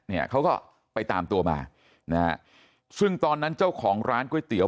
เนี่ยเขาก็ไปตามตัวมานะฮะซึ่งตอนนั้นเจ้าของร้านก๋วยเตี๋ย